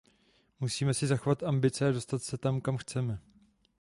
Musíme si zachovat ambice a dostat se tam, kam chceme.